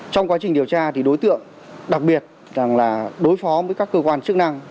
trong quá trình điều tra đối tượng đặc biệt là đối phó với các cơ quan chức năng